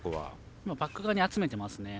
バック側に集めてますね。